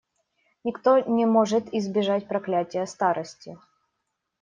Никто не может избежать проклятия старости.